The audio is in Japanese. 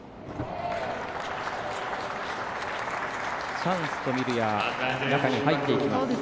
チャンスと見るや中に入っていきます。